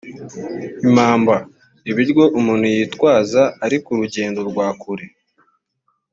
impamba: ibiryo umuntu yitwazaga ari ku rugendo rwa kure.